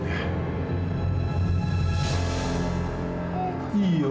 kamu belum sampai rumah atau belum ya